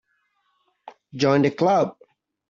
Join the Club.